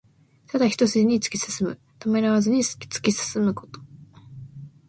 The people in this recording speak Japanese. ただ一すじに突き進む。ためらわずに突き進むこと。